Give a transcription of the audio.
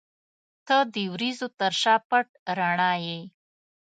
• ته د وریځو تر شا پټ رڼا یې.